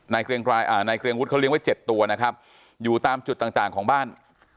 นายเกรียงวุฒิเขาเลี้ยไว้๗ตัวนะครับอยู่ตามจุดต่างต่างของบ้าน